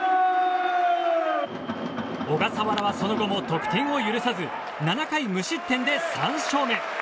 小笠原はその後も得点を許さず７回無失点で３勝目。